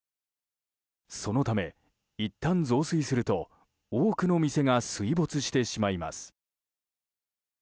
そのため、いったん増水すると多くの店が水没してしまいます。